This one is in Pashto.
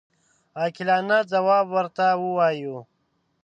عاقلانه ځواب ورته ووایو.